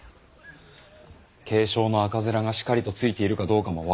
軽症の赤面がしかりとついているかどうかも分からぬ。